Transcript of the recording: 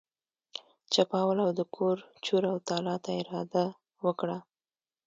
چپاول او د کور چور او تالا ته اراده وکړه.